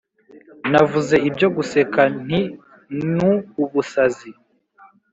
navuze ibyo guseka nti nu ubusazi